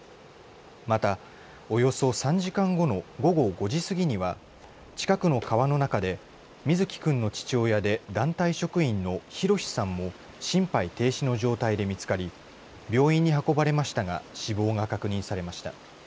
また、およそ３時間後の午後５時過ぎには近くの川の中で瑞生君の父親で団体職員の裕さんも心肺停止の状態で見つかり病院に運ばれましたが死亡が確認されました。